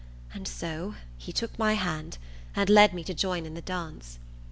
And so he took my hand, and led me to join in the dance.